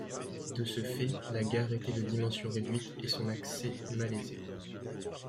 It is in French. De ce fait, la gare était de dimension réduite et son accès malaisé.